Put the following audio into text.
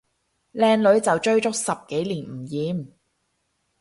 靚女就追足十幾年唔厭